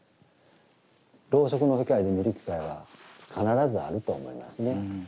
ろうそくの光で見る機会は必ずあると思いますね。